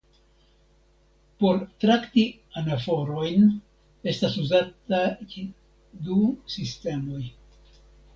Por trakti anaforojn estas uzataj du sistemoj.